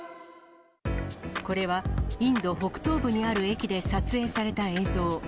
これは、インド北東部にある駅で撮影された映像。